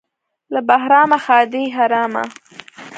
- له بهرامه ښادي حرامه.